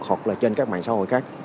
hoặc là trên các mạng xã hội khác